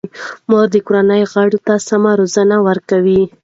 مور د کورنۍ غړو ته سمه روزنه ورکوي.